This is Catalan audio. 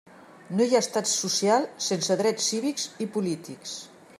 No hi ha estat social sense drets civils i polítics.